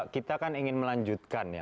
kita kan ingin melanjutkan ya